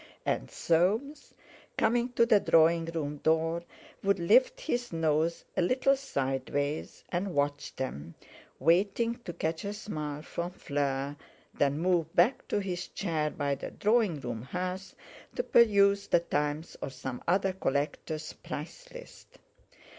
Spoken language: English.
And Soames, coming to the drawing room door, would lift his nose a little sideways, and watch them, waiting to catch a smile from Fleur; then move back to his chair by the drawing room hearth, to peruse The Times or some other collector's price list.